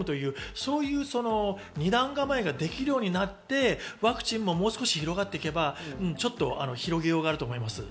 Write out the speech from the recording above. そういう２段構えができるようになって、ワクチンももう少し広がっていけば広げようがあると思います。